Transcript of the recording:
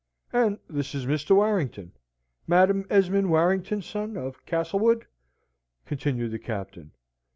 "And this is Mr. Warrington, Madam Esmond Warrington's son, of Castlewood," continued the Captain.